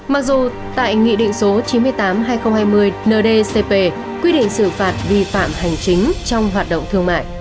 mặc dù tại nghị định số chín mươi tám hai nghìn hai mươi ndcp quy định xử phạt vi phạm hành chính trong hoạt động thương mại